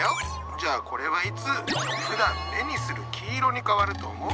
じゃあこれはいつふだん目にする黄色に変わると思う？